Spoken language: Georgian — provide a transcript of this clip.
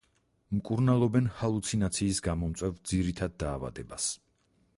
მკურნალობენ ჰალუცინაციის გამომწვევ ძირითად დაავადებას.